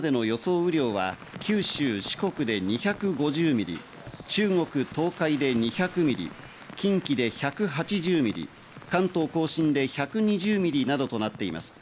雨量は九州、四国で２５０ミリ、中国、東海で２００ミリ、近畿で１８０ミリ、関東甲信で１２０ミリなどとなっています。